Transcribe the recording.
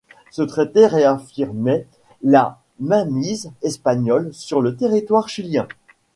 Ce traité réaffirmait la mainmise espagnole sur le territoire chilien.